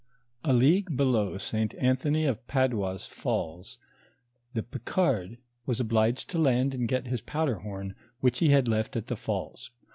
A league below St. Anthony of Padua's falls, the Picard was obliged to land and get his powder horn which he had left at the falls.